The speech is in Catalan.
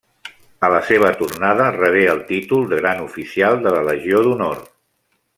A la seva tornada, rebé el títol de Gran Oficial de la Legió d'Honor.